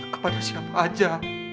kepada siapa aja